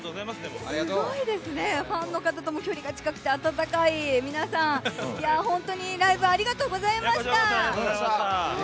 すごいですね、ファンの方とも距離が近くて温かい、皆さん本当にライブありがとうございました。